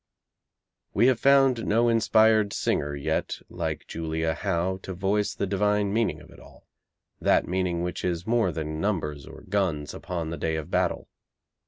We have found no inspired singer yet, like Julia Howe, to voice the divine meaning of it all that meaning which is more than numbers or guns upon the day of battle.